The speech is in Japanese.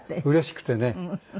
うれしくてね